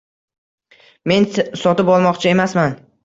Men sotib olmoqchi emasman.